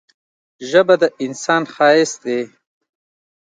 ژبه د انسان ښايست دی.